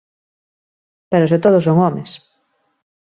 Pero se todos son homes.